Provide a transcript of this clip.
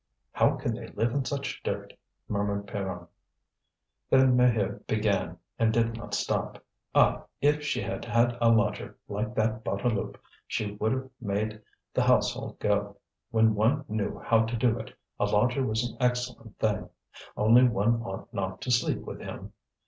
"How can they live in such dirt?" murmured Pierronne. Then Maheude began and did not stop. Ah! if she had had a lodger like that Bouteloup she would have made the household go. When one knew how to do it, a lodger was an excellent thing. Only one ought not to sleep with him.